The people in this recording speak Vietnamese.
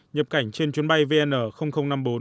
nhập cảnh trên chuyến bay vn năm mươi bốn